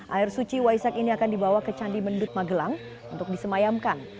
air suci waisak ini akan dibawa ke candi mendut magelang untuk disemayamkan